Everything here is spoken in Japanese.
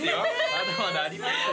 まだまだありますよ